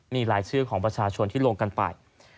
นี่ลายชื่อของประชาชนที่ลงกันไป